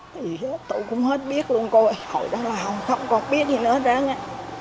thì tôi cũng hết biết luôn cô ơi hồi đó là không còn biết gì nữa hết trơn á